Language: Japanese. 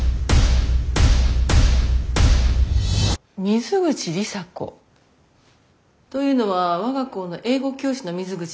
水口里紗子？というのは我が校の英語教師の水口ですか？